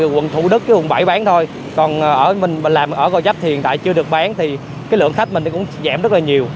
khách mình cũng giảm rất là nhiều